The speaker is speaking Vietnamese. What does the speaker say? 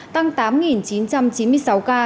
tăng tám chín trăm chín mươi sáu ca